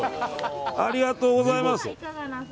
ありがとうございます。